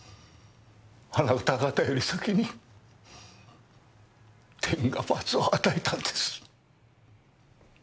あなた方より先に天が罰を与えたんです。